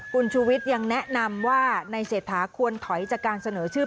คุณชูวิทย์ยังแนะนำว่าในเศรษฐาควรถอยจากการเสนอชื่อ